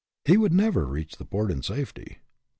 He would never reach port in safety.